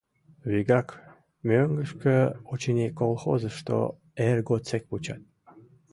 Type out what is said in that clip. — Вигак мӧҥгышкӧ, очыни, колхозышто эр годсек вучат.